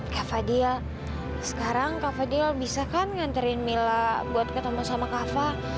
kak fadil sekarang kak fadil bisa kan nganterin mila buat ketemu sama kak fah